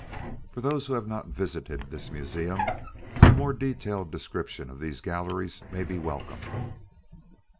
For those who have not visited this museum, a more detailed description of these galleries may be welcome.